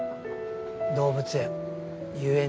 動物園遊園地。